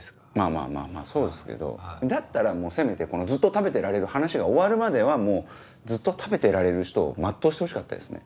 まぁまぁまぁそうですけどだったらせめてずっと食べてられる話が終わるまではもうずっと食べてられる人を全うしてほしかったですね。